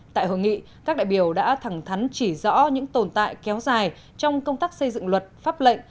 tại hội nghị các đại biểu đã thẳng thắn chỉ rõ những tồn tại kéo dài trong công tác xây dựng luật pháp lệnh